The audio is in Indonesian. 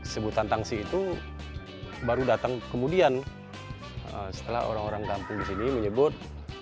sebutan tangsi itu baru datang kemudian setelah orang orang kampung di sini menyebut